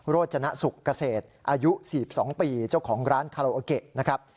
โรจนสุขเกษตรอายุ๔๒ปีเจ้าของร้านคาราโอเกะนะครับ